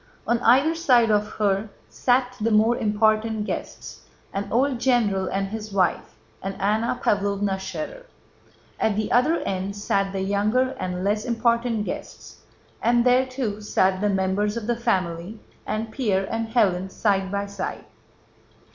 On either side of her sat the more important guests—an old general and his wife, and Anna Pávlovna Schérer. At the other end sat the younger and less important guests, and there too sat the members of the family, and Pierre and Hélène, side by side.